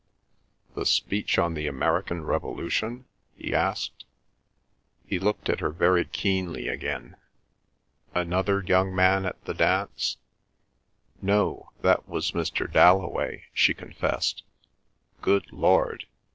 "The Speech on the American Revolution?" he asked. He looked at her very keenly again. "Another young man at the dance?" "No. That was Mr. Dalloway," she confessed. "Good Lord!"